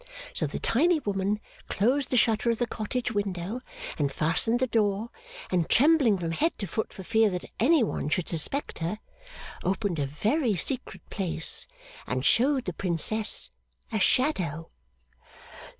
So the tiny woman closed the shutter of the cottage window and fastened the door, and trembling from head to foot for fear that any one should suspect her, opened a very secret place and showed the Princess a shadow.